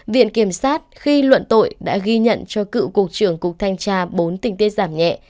viện kiểm sát khi luận tội đã ghi nhận cho cựu cục trưởng cục thanh tra bốn tình tiết giảm nhẹ